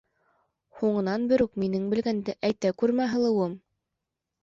Һуңынан берүк минең белгәнде әйтә күрмә, һылыуым!